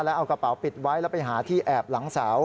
แล้วเอากระเป๋าปิดไว้แล้วไปหาที่แอบหลังเสา